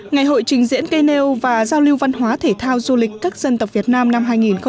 ngày hội trình diễn cây nêu và giao lưu văn hóa thể thao du lịch các dân tộc việt nam năm hai nghìn một mươi chín